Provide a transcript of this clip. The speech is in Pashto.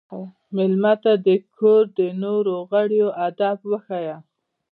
مېلمه ته د کور د نورو غړو ادب وښایه.